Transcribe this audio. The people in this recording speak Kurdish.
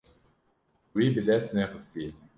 Wî bi dest nexistiye.